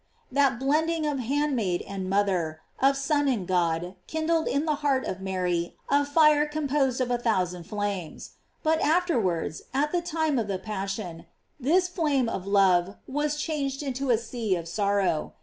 That blending of hand maid and mother, of Son and God, kindled in the heart of Mary afire composed of a thousand flames. But afterwards, at the time of the passion, this flame of love was changed into a sea of sorrow.